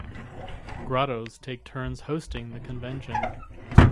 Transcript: Grottos take turns hosting the convention.